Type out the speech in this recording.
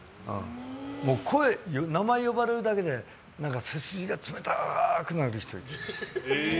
もう、名前を呼ばれるだけで背筋が冷たくなるような。